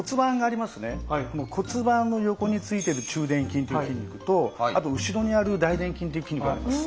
骨盤の横についてる中臀筋という筋肉とあと後ろにある大臀筋という筋肉があります。